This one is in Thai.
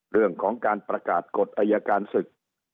เรื่องของการประกาศกฎอายการศึก